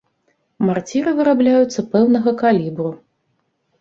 Марціры вырабляюцца пэўнага калібру.